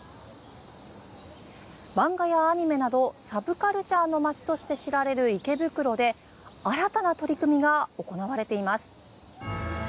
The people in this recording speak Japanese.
漫画やアニメなどサブカルチャーの街として知られる池袋で新たな取り組みが行われています。